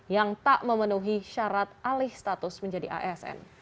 yang tak memenuhi syarat alih status menjadi asn